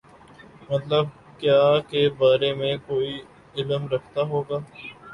مطلب کیا کے بارے میں کوئی علم رکھتا ہو گا